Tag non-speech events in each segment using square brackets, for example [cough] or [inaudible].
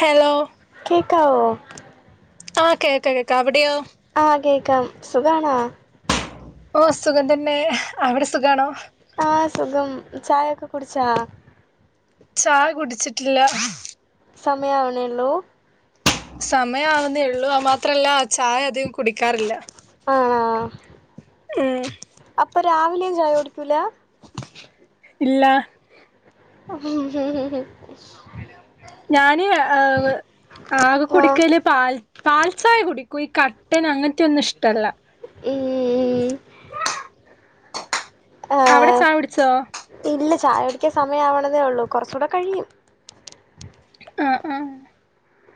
Hello കേക്കാവോ ആ കേക്ക കേക്കാം അവിടെയോ ആ കേക്കാം സുഖാണോ? ഓ സുഖം തന്നെ അവടെ സുഖണോ? ആ സുഖം ചായൊക്കെ കുടിച്ചാ? ചായ കുടിച്ചിട്ടില്ല സമയാവുണേള്ളൂ സമയാവുന്നേള്ളൂ ആ മാത്രല്ല ആ ചായ അധികം കുടിക്കാറില്ല ആണോ ഉം അപ്പം രാവിലെയും ചായ കുടിക്കൂല ഇല്ല ഉം ഞാന് ആകെ കുടിക്കല് പാൽ പാൽ ചായ കുടിക്കും ഈ കട്ടൻ അങ്ങനത്തെയൊന്നും ഇഷ്ടല്ല ഈഹ് അവിടെ ആഹ് ചായ കുടിച്ചോ ഇല്ല ചായ കുടിക്കാൻ സമയം ആവണതെ ഉള്ളൂ കുറച്ചൂടെ കഴിയും. ആഹ് ആഹ്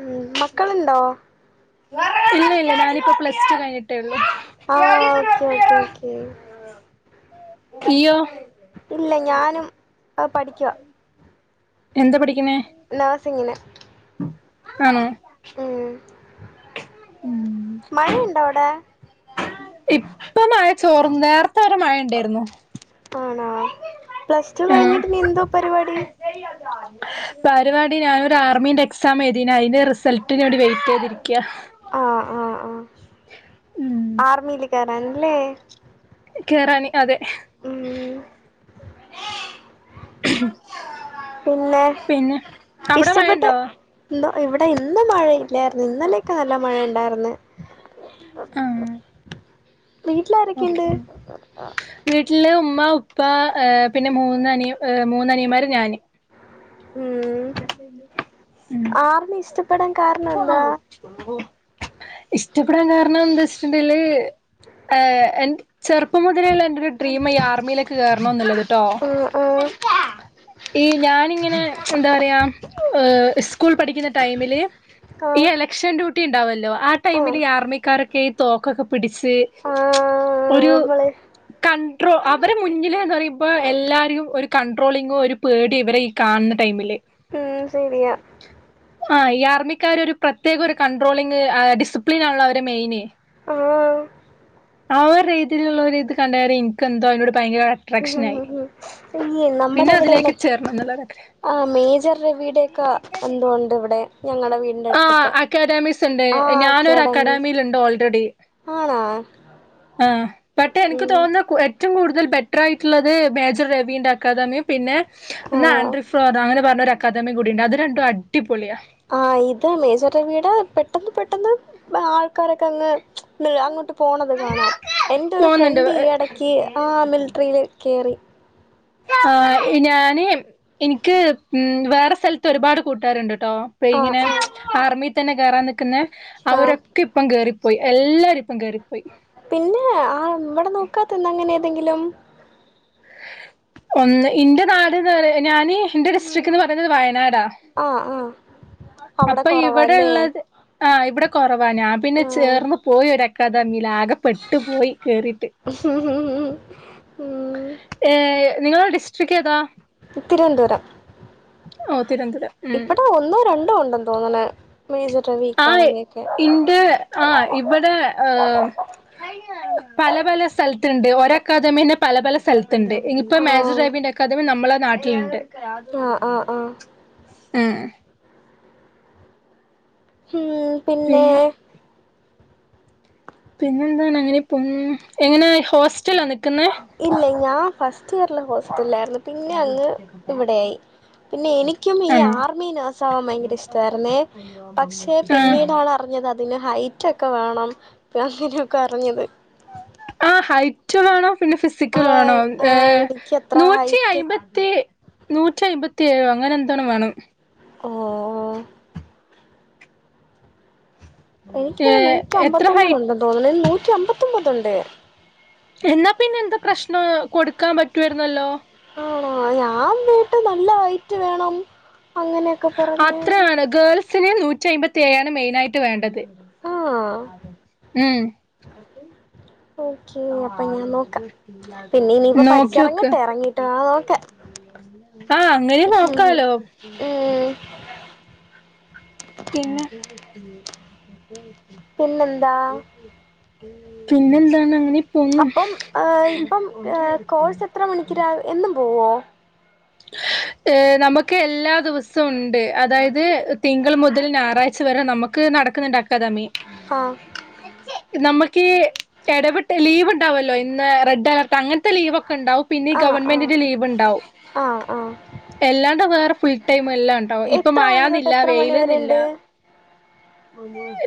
ഉം മക്കളുണ്ടോ? ഇല്ല ഇല്ല ഞാനിപ്പൊ പ്ലസ് ടു കഴിഞ്ഞി ട്ടെള്ളു ആഹ് ഓക്കെ ഓക്കെ ഓക്കെ ഇയ്യോ? ഇല്ല ഞാനും പഠിക്ക എന്താ പഠിക്ക്ണേ? നഴ്സിങ്ങിന് ആണോ ഉം മഴയുണ്ടോ അവിടെ? ഇപ്പൊ മഴ ചോർന്ന് നേർത്തെ വരെ മഴ ഉണ്ടായിരുന്നു. ആണോ പ്ലസ് ടു ആഹ് കഴിഞ്ഞിട്ട് ഇനി എന്തോ പരിപാടി. [inaudible] പരിപാടി ഞാനൊരു ആർമീന്റെ എക്സാം എഴുതിന് അയിന്റെ റിസൾട്ടിന് വേണ്ടി വെയിറ്റ് ചെയ്തിരിക്ക ആഹ് ആഹ് ആഹ് ഉം ആർമിൽ കേറാന്ല്ലേ കേറാന് അതെ ഉം [inaudible] പിന്നെ പിന്നെ അവിടെ ഇഷ്ടപ്പെട്ട് മഴണ്ടോ ഇല്ല ഇവിടെ ഇന്ന് മഴ ഇല്ലായിരുന്നു ഇന്നലെയൊക്കെ നല്ല മഴ ഉണ്ടായിരുന്ന്. ആഹ് ഓക്കെ വീട്ടിലാരൊക്കെയുണ്ട്? വീട്ടില് ഉമ്മ ഉപ്പ പിന്നെ മൂന്ന് അനി മൂന്ന് അനിയമാര് ഞാന്. ഉം ഉം ആർമി ഇഷ്ടപ്പെടാൻ കാരണം എന്താ? ഇഷ്ടപ്പെടാൻ കാരണം എന്താ വെച്ചിട്ടുണ്ടെല് ഏഹ് ചെറുപ്പം മുതലേയുള്ള എന്റെ ഒരു ഡ്രീമാ ഈ ആർമിയിലേക്ക് കേയറണം എന്നുള്ളത് ട്ടോ ഓഹ് ഈ ഞാനിങ്ങനെ എന്താ പറയാ സ്കൂൾ പഠിക്കുന്ന ടൈമില് ഈ ആഹ് എലക്ഷൻ ഡ്യൂട്ടി ഉണ്ടാവല്ലോ ആ ടൈമിൽ ആഹ് ഈ ആർമിക്കാരൊക്കെ തോക്കൊക്കെ പിടിച്ച് ആഹ് ഒരു നമ്മള് കൺട്രോ അവരെ മുന്നില്ന്ന് പറയുമ്പോ എല്ലാരേം ഒരു കൺട്രോളിങ്ങും ഒരു പേടി ആ ഇവരെ ഈ കാണുന്ന ടൈമില് അതും ശരിയ ആഹ് യാർമി ക്കര് ഒരു പ്രത്യേക ഒരു കൺട്രോളിംഗ് ഡിസിപ്ലിൻ ആണല്ലോ അവരെ മെയിന് ഓഹ് ആ ഒരു രീതിയിലുള്ള ഒരു ഇത് കണ്ടേരെ ഇൻക്ക് എന്തോ അതിനോട് ഭയങ്കര അട്രാക്ഷൻ ആയി ഈ പിന്നെ അതിലേക്ക് ചേരണം എന്നള്ള ഒരാഗ്രഹം ആ മേജർ രവിയുടെ ഒക്കെ എന്തോണ്ട് ഇവിടെ ഞങ്ങളെ വീ ആ അക്കാഡമിസ് ഉണ്ട് ഞാനൊരു അക്കാഡമി അക്കാഡമിൽണ്ട് ഓൾറെഡി ആണോ ആ ബട്ട് എനിക്ക് ഉം തോന്നുന്ന ഏറ്റവും കൂടുതൽ ബെറ്റർ ആയിട്ടുള്ളത് മേജർ രവിന്റെ അക്കാദമിം പിന്നെ ആഹ് ആൻഡ്രിഫ് ഫ് അങ്ങനെ പറഞ്ഞൊരു അക്കാദമി കൂടിയുണ്ട്, അത് രണ്ടും അടിപൊളിയാ. ആഹ് ഇത് മേജർ രവീടെ പെട്ടെന്ന് പെട്ടെന്ന് ആൾക്കാരൊക്കെ അങ്ങ്. അങ്ങോട്ട് പോണത് കാണാം, എന്റെ ഒരു പോകുന്നുണ്ട്. ഫ്രണ്ട് ഈ ഇടക്ക് ആ മിലിട്ടറിൽ കേറി. ആഹ് ഞാന് ഇനിക്ക് ഉം വേറെ സ്ഥലത്ത് ഒരുപാട് കൂട്ടുകാരുണ്ട്ട്ടോ. ഇപ്പോ ആഹ് ഇങ്ങനെ ആഹ് ആർമിയിൽ തന്നെ കേറാൻ നിക്കുന്നേ അവരൊ ആഹ് ക്കെ ഇപ്പം കേറിപ്പോയി എല്ലാരും ഇപ്പം കേറിപ്പോയി. പിന്നെ ആഹ് ഇവിടെ നോക്കാത്തന്ത അങ്ങനെ ഏതെങ്കിലും. ഒന്ന് ഇന്റെ നാട്ന്ന് പറ ഞാന് ഇന്റെ ഡിസ്ട്രിക്ന്ന് പറയുന്നത് വയനാടാ. ആഹ് ആഹ് അവിടെ അപ്പൊ ഇവിടെ കുറവാല്ലേ. ഉള്ളത് ആഹ് ഇവിടെ കുറവാ ഞാൻ പിന്നെ ആഹ് ചേർന്ന് പോയി ഒരു അക്കാദമിൽ ആകെ പെട്ടു പോയി കേറിട്ട്. ഉം. ഏഹ് നിങ്ങളെ ഡിസ്ട്രിക് ഏതാ? തിരുവനന്തപുരം. ഓ തിരുവന്തപുരം. ഇവടെ ഒന്നോ രണ്ടോ ഉണ്ടെന്ന് തോന്ന്ണ് മേജർ രവി ആഹ് അക്കാഡമി ഒക്കെ. ഇന്റെ ആ ഇവിടെ ആഹ്. പല പല സ്ഥലത്ത്ണ്ട് ഒരു അക്കാദമി തന്നെ പല പല സ്ഥലത്ത്ണ്ട്. ഇപ്പോ മേജർ ആഹ് രവിന്റെ അക്കാദമി നമ്മളെ നാട്ടിലുണ്ട്. ആഹ് ആഹ് ആഹ് ഉം ഉം പിന്നെ പിന്നെന്താണ് അങ്ങനെ പോണു. എങ്ങനാ ഹോസ്റ്റലാ നിക്കുന്നേ. ഇല്ല ഞാൻ ഫസ്റ്റ് ഇയറില് ഹോസ്റ്റലായിരുന്നു, പിന്നെ അങ്ങ് ഇവിടെയായി. പിന്നെ എനിക്കും ഈ ആണോ ആർമി നേഴ്സ് ആവാൻ ഭയങ്കര ഇഷ്ടായിരുന്നേ, പക്ഷെ ആഹ് പിന്നീടാണ് അ അറിഞ്ഞത് അതിന് ഹൈറ്റൊക്കെ വേണം അങ്ങനൊക്കെ അറിഞ്ഞത്. ആ ഹൈറ്റ് വേണം പിന്നെ ഫിസിക്കൽ ആഹ് വേണം, ആഹ് ഏഹ് എനിക്കത്ര നൂറ്റി ഹൈറ്റ് അയ്മ്പ ത്തി നൂറ്റി അമ്പത്തിയേഴോ അങ്ങനെ എന്തോ വേണം. ഓഹ്. ഏ എനിക്കാണ് നൂറ്റി എത്ര ഹൈ അമ്പത്തൊമ്പത് ഉണ്ടെന്ന് തോന്നുന്നു. നൂറ്റി അമ്പത്തൊമ്പത് ഉണ്ട്. എന്നാ പിന്നെ എന്താ പ്രശ്നം കൊടുക്കാൻ പറ്റുവാരുന്നല്ലോ. ആണോ, ഞാൻ വീട്ട് നല്ല ഹൈറ്റ് വേണം അങ്ങനെ അത്രയാണ് ഗേൾസിന് നൂറ്റി അമ്പത്തി ഏഴാണ് മെയിനായിട്ട് വേണ്ടത്. ആഹ് ഉം ഓക്കെ അപ്പൊ ഞാൻ നോക്കാം പിന്നെ ഇനിയിപ്പോ നോക്കിയോക്ക്. പഠിച്ചിറങ്ങട്ടെ ഇറങ്ങിട്ട് വേണം നോക്കാൻ ആഹ് അങ്ങനെയും നോക്കാലോ. ഉം. പിന്നെ. പിന്നെന്താ പിന്നെന്താണ് അങ്ങനെ? പോന്നു അപ്പം ഇപ്പം കോഴ്സ് എത്ര മണികൂറാ, എന്നും പോവുമോ? [inaudible] ആഹ് നമുക്ക് എല്ലാ ദിവസവും ഉണ്ട്, അതായത് തിങ്കൾ മുതൽ ഞായറാഴ്ച വരെ നമുക്ക് ക്ക് നടക്കുന്നുണ്ട് അക്കാദമി. ആഹ്. നമ്മുക്ക് ഇടവിട്ട ലീവ് ഉണ്ടാവല്ലോ, ഇന്ന് റെഡ് അലർട്ട് അങ്ങനത്തെ ലീവൊക്കെ ഉണ്ടാവും. പിന്നെ ഈ ആഹ് ആഹ് ഗവൺമെന്റിന്റെ ലീവ് ഉണ്ടാവും. ആഹ് ആഹ്. എല്ലാണ്ട് വേറെ ഫുൾ ടൈം എല്ലാം ഉണ്ടാവും, ഇപ്പോ എത്ര മഴ മണി തൊട്ട് എന്നില്ല എത്ര മണി വെയിൽ എന്നില്ല. വരെണ്ട് [inaudible]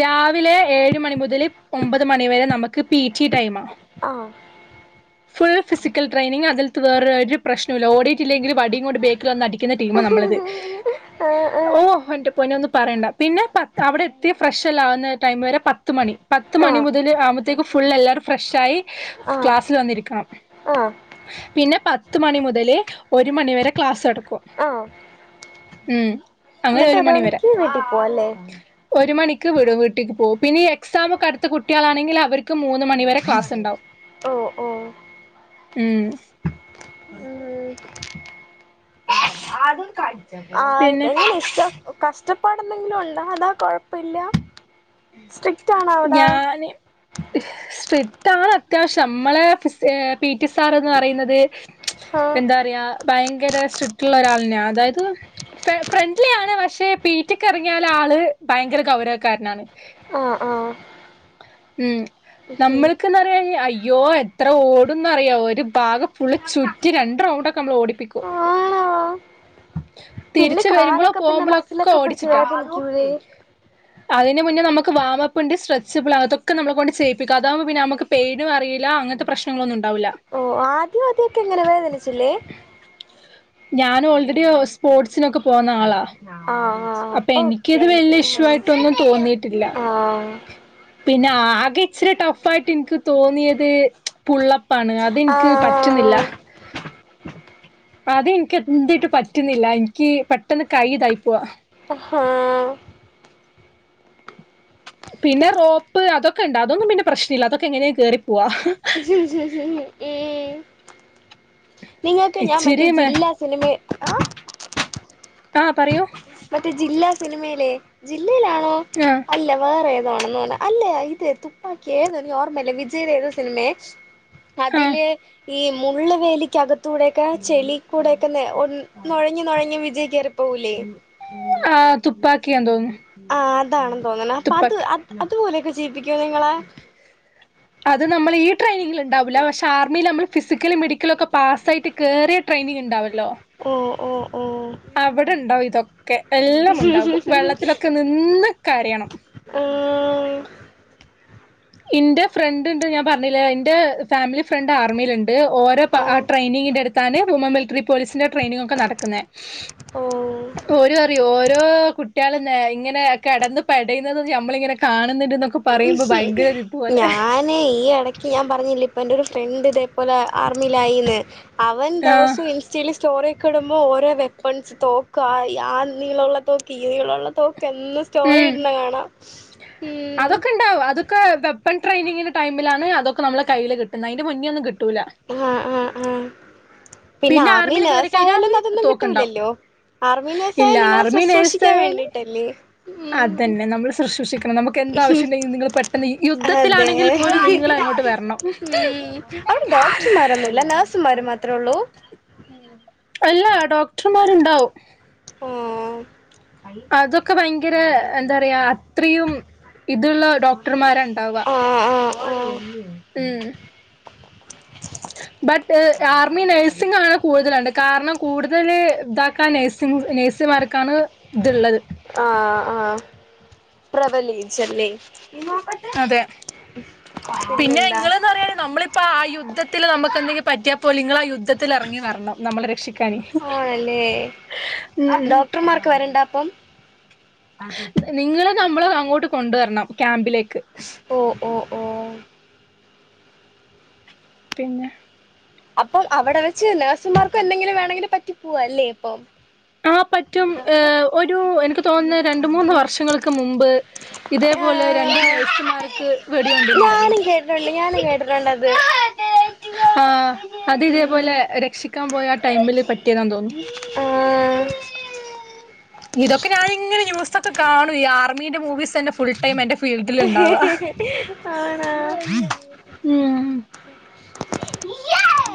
രാവിലെ ഏഴ് മണി മുതൽ ഒമ്പത് മണി വരെ നമ്മക്ക് പി ടി ടൈമാ. ആഹ്. ഫുൾ ഫിസിക്കൽട്രെനിങ് അതിലത്ത് വേൊരു പ്രശ്നമില്ല ഓഡി എങ്കിൽ ബലികൊണ്ട് ബേക്ക് വന്ന് അടും ടീ ആഹ് നമ്മളത് ഓ ആഹ് എന്റെ പോയി ഒന്ന് പറയണ്ട പിന്നെ പ അവിടെ എത്തി ഫ്രഷ്ല്ല ആവുന്ന ടൈം വരെ പത്ത് മണി പത്ത് മണി ആഹ് മുതൽ ആമ്പു ഫു എല്ലാവരും ഫ്രഷായി ആഹ് ക്ലാസ്സിൽ വന്നിരിക്കണം ആഹ് പിന്നെ പത്ത് മണി മുതലേ ഒരു മണിവരെ ക്ലാസ്സ് എടുക്കും, ആഹ് ഉം അങ്ങനെ എന്നിട്ട് ഒരു മണിവരെ. മണിക്ക് വീട്ടിൽ പോവാ അല്ലേ ഒരു മണിക്ക് വിടും, വീട്ടിലേക് പോവും. പിന്നെ ഈ എക്സാം ഒക്കെ അടുത്ത കുട്ടികളാണെങ്കിൽ അവർക്ക് മൂന്ന് മണി വരെ ക്ലാസ് ഉണ്ടാവും ഓ ഓ ഉം ഉം അത [inaudible] ആ എങ്ങനെ ഇഷ്ട കഷ്ടപ്പാട് എന്തെങ്കിലും ഉണ്ടോ, അതാ കൊഴപ്പമില്ല. ഞാന് [inaudible] സ്ട്രിറ്റ് ആാണ് അത്യാവശ്യം നമ്മളെ പി ടി സാർ എന്ന് പറയുന്നത് ആഹ എന്താ പറയാ ഭയങ്കര സ്ട്രിക്ട് ഉള്ള ഒരാളന്നെയാ, അതായത് ഫ്രണ്ട്ലി ആാണ്, പക്ഷെ പീ ടി ക്ക് ഇറങ്ങിയാല ആള് ഭയങ്കര ഗൗരവക്കാരനാണ്. ആഹ ആഹ ഉം നമ്മൾക്ക്യെന്ന അയ്യോ എത്ര ഓടുന്നറിയോ ഒരു ഭാഗം ഫുൾ ചുറ്റി രണ്ട് റൗണ്ടൊക്കെ നമ്മൾ ഓടിപ്പിക്കോ. ആണാ തിരിച്ച് വരുമ്പോഴോ പോകുമ്പോഴോ ഒക്കെ ഓടിച്ചിട്ടാ. വേദനിക്കൂലേ അതിന് മുന്നേ നമുക്ക് വാവപിണ്ടി ഉണ്ട് സ്ര സിമ്പിൾ ആണ്, അതൊക്കെ നമ്മളെ കൊണ്ട് ചെയ്യിപ്പിക്കും. അതാുമ്പോ പിന്നെ നമക്ക് പെയിനും അറിയില്ല അങ്ങനത്തെ പ്രശ്നങ്ങളൊന്നും ഉണ്ടാവില്ല. ഓ ആ ആദ്യ അദ്യൊക്കെ എങ്ങനെ വേദനിച്ചില്ലേ? ഞാൻ ഓൾറെഡി സ്പോർട്സിനൊക്കെ പോന്ന ആളാ. ആ ആ അപ്പൊ ഓക്കെ എനിക്ക്ത് വലിയ ഇഷ്യൂ ആ ആയിട്ടൊന്നും തോന്നിയിട്ടില്ല. ആ പിന്നെ ആകെ ഇച്ചരി ടഫയായിട്ട് എനിക്ക് തോന്നിയത് പുള്ളപ്പാണ്, ആ അതെനിക്ക് പറ്റുന്നില്ല. അത എനിക്ക് എന്ട്ട് പറ്റുന്നില്ല, എനിക്ക് പെട്ടെന്ന് കൈ ഇതായി പോവാ. ആഹാഹാ പിന്നെ റോപ്പ് തൊക്കെ ഉണ്ട്, അതൊന്നും പിന്നെ പ്രശ്നം ഇല്ല, അതൊക്കെ എങ്ങനെയ കേറിപ്പോവാ. [unintelligible] നിങ്ങൾക്ക് ഞാൻ മറ്റേ ഇച്ചിരി മേ ജില്ലാ സിനിമ ആഹ് ആഹ് പറയൂ മറ്റേ ജില്ലാ സിനിമയിലെ ജില്ലയിലാണോ ആഹ് അല്ല വേറെ ഏതാണെന്ന് പറ അല്ലേ ഇത് തുപ്പാക്കി ഏതോ ന ഓർമ്മല്ല വിജയയില ഏത് സിനിമയെ ആ അതില് ഈ മുള്ള് വേലിക്കകത്തൂടെയൊക്കെ ചെളി കൂടെക്കെ ഒക്കന്നെ ഒ നുഴങ്ങി നുഴങ്ങി വിജയിക്കയറി ആഹ് തുപ്പാക്കിയ എന്തോന്നുന്നു ആഹ് അതാണെന്ന് തോന്നുന്നത് അപ്പൊ അത് അത് അതുപോലെയൊക്കെ ചെയ്യിപ്പിക്കോ നിങ്ങളെ അത് നമ്മൾ ഈ ട്രെയിനിങ്ങിൽ ഉണ്ടാവില്ല പക്ഷെ ആർമിയിൽ നമ്മൾ ഫിസിക്കല മെഡിക്കലും ഒക്കെ പാസ്സായിട്ട് കയറിയ ട്രെനിങ് ഉണ്ടാവല്ലോ ഓ ഓ ഓ അവിടെ ഉണ്ടാവും ഇതൊക്കെ എല്ലാം ഉണ്ടാകും വെള്ളത്തിലൊക്കെ നിന്നക്ക കരയണം ഉം എന്റെ ഫ്രണ്ട് ഉണ്ട് ഞാൻ പറഞ്ഞില്ലേ എന്റെ ഫാമിലി ഫ്രണ്ട് ആർമിൽുണ്ട് ഓരോ ട്രെയിനിങ്ങിന്റെ അടുത്താണ് വുമൻ മിലിറ്ററി പോലീസിന്റെ ട്രെയിനിങ് ഒക്കെ നടക്കുന്ന ഓ ഓ ഓര് അറിയോ ഓരോ കുട്ടികള ഇങ്ങനെ കിടന്നന്ന് പടയുന്നത് നമ്മളിങ്ങനെ കാണുന്നുന്ന പറയുമ്പോ ഭയങ്കര ഇതുപോലെ ഞാന് ഈ ഇടക്ക് ഞാൻ പറഞ്ഞില്ലേ ഇപ്പൊ എന്റെ ഒരു ഫ്രണ്ട് ഇതേപലെ ആർമിയിലായിന്ന് അവൻ ആഹ് ദിവസു ഇ ചെളി സ്റ്റോറി ഒക്കെ ഇടുമ്പോൾ ഓരോ വെപ്പൺസ് തോക്ക് ആ ആ നിങ്ങളുള്ള തോക്ക് ഈ നിങ്ങളുള്ള തോക്ക് എന്നന്ന് സ്റ്റോറി ഇടുന്ന കാണാം ഉം ഒക്ക ഉണ്ടാവും അതൊക്കെ വെപ്പൺ ട്രെയിനിങ്ങിന്റെ ടൈമിലാണ് അതൊക്കെ നമ്മെ കയ്യില് കിട്ടുന്നത് അതിന്റെ മുന്നേ ഒും കിട്ടൂില്ല ആഹ് ആഹ് ആഹ് പിന്നെ ആർമി ആർമിയിൽ കേറി നേഴ്സ കഴിഞ്ഞാല് ആയാലും അതൊന്നും തോക്കുണ്ടാവും കിട്ടൂലല്ലോ ആർമി നർസായ ഇല്ല നിങ്ങളെ ആർമി നേഴ്സ് ശുശ്രൂഷിക്കാൻ ആയാല് വേണ്ടിട്ടല്ലേ ഉം അതന്നെ നമ്മള് ശുശ്രൂഷിക്കണം നമുക്ക് എന്താവശ്യംണ്ടെങ്കിൽ നിങ്ങൾ പെട്ടെന്ന് അതെ യുദ്ധത്തിലാണെങ്കിൽ പോലും നിങ്ങൾ അങ്ങോട്ട് വരണം [unintelligible] ഡോക്ടർമാരൊന്നുമ ഇ നേഴ്സുമാർ മാത്രേ ഉള്ളൂ അല്ല ഡോക്ടർമാരുണ്ടാവും ഓ അതൊക്കെ ഭയങ്കര എന്താ പറയാ അത്രയും ഇതുള്ളോ ഡക്ർമാണ്ടാവഓ ആഹ് ആഹ് ആഹ് ളം ബട്ട് ആർമി നഴ്സിംഗ ആണ് കൂടുതലുണ്ട് കാരണം കൂടുതൽ ഇതാക്കാ നഴ്സിങ് നേഴ്സിമാർക്കാണ് ഇത്ള്ളത് ആഹ് ആഹ് ട്രാവൽ ജ് അല്ലേ അതെ പിന്നെ പിന്നെന്താ ഇങ്ങന്ന് പറണെിൽ നമ്മളി അപ്പ ആഹ് യുദ്ത്തിൽ നമുക്ക് എന്തെങ്കില പറ്റിയപ്പോല നിങ്ങള ആഹ് യുദ്ത്തിൽ ത്തി ഇറങ്ങി വരണം നമ്മളെ രക്ഷിക്കാന ആണല്ലേ ഡോക്ടർമാർക്ക് നന്ദ വരണ്ട അപ്പം നിങ്ങള്ൾ നമ്മള് അങ്ങോട്ട് കൊണ്ടുവരണം ക്യാമ്പിലേക്ക് ഓ ഓ ഓ പിന്നെ അപ്പൊ അവിടെ വെച്ച് നേഴ്സുമാർക്കും എന്തെങ്കിലും വേണെങ്കിലും പറ്റി പോവാ അല്ലേ അപ്പം ആഹ് പറ്റും ഏഹ് ഒരു എനിക്ക് തോന്നുന്ന രണ്ട മൂന്ന് വർഷങ്ങൾക്ക് മുമ്പ് ഇതേപോലെ രണ്ട് ആഹ് നേഴ്സുമാർക്ക് വെടിയ കൊണ്ടന്നരുന്നു കേട്ടറേണ്ടത് ആഹ് അത് ഇതേപോലെ രക്ഷിക്കാൻ പോയ ആ ടൈമില് പറ്റിയതാ തോന്നുന്നു [inaudible] ഇതൊക്കെ ഞാനിങ്ങനെ ന്യൂസൊക്കെ കാണു ഈ ആർമിന്റെ മൂവീസ്ന്നെ ഫുൾ ടൈം എന്റെ ഫീൽഡിൽ ഉണ്ടവാ. [unintelligible] ഉം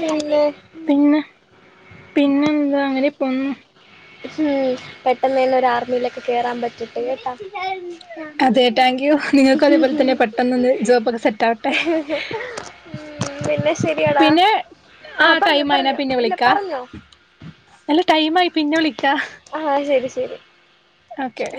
പിന്നെ പിന്നെ? പിന്നെ എന്താ അങ്ങനെ പൊന്നൂ. മ്മ്ഹ്, പെട്ടെന്ന്നെ ഒരു ആർമിയിലേക്ക് കേറാൻ പ അതെ താങ്ക്യു. നിങ്ങൾക്കും അതേപോലെ തന്നെ പെട്ടന്ന്ന്ന് ജോബൊക്കെ സെറ്റാആവട്ടെ. പിന്നെ ശെരിയടാ. ആഹ് ടൈം ആയിനാ പിന്നെ വിളിക്കാ പറഞ്ഞോ അല്ല ടൈം ആയി പിന്നെ വിളിക്കാ. ആഹ്, ശരി ശരി. ഓക്കെ.